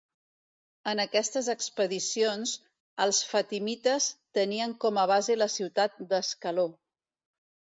En aquestes expedicions els fatimites tenien com a base la ciutat d'Ascaló.